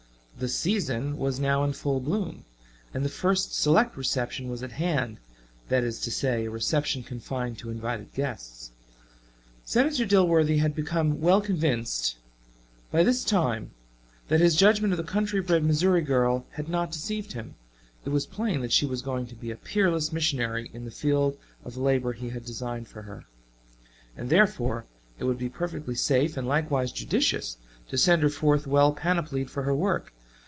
"The season" was now in full bloom, and the first select reception was at hand that is to say, a reception confined to invited guests. Senator Dilworthy had become well convinced, by this time, that his judgment of the country bred Missouri girl had not deceived him it was plain that she was going to be a peerless missionary in the field of labor he designed her for, and therefore it would be perfectly safe and likewise judicious to send her forth well panoplied for her work.